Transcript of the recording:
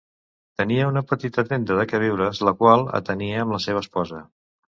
Tenia una petita tenda de queviures la qual atenia amb la seva esposa.